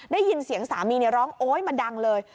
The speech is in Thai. ได้ยินเสียงสามีร้องโอ๊ยมาดังเลย